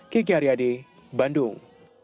kiki aryade bandung